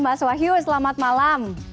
mas wahyu selamat malam